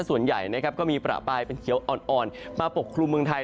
ส่วนใหญ่ก็มีปลาปลายเป็นเขียวอ่อนมาปกครูเมืองไทย